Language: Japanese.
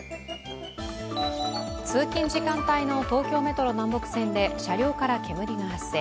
通勤時間帯の東京メトロ南北線で車両から煙が発生。